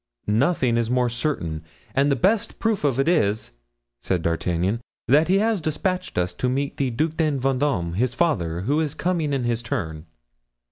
"Nothing more certain; and the best proof of it is," said D'Artagnan, "that he has dispatched us to meet the Duc de Vendome, his father, who is coming in his turn."